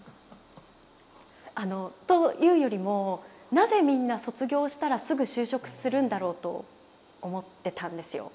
あのというよりもなぜみんな卒業したらすぐ就職するんだろうと思ってたんですよ。